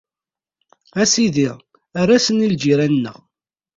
A Sidi, err-asen i lǧiran-nneɣ.